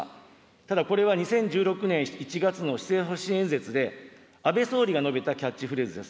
ただこれは２０１６年１月の施政方針演説で、安倍総理が述べたキャッチフレーズです。